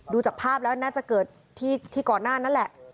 จากภาพแล้วน่าจะเกิดที่ก่อนหน้านั้นแหละ